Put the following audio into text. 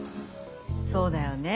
そうだよね。